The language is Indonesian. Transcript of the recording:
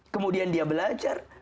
kemudian dia belajar